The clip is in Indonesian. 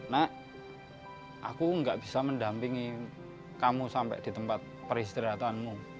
nak aku gak bisa mendampingi kamu sampai di tempat peristirahatanmu